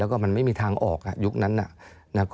แล้วก็มันไม่มีทางออกยุคนั้น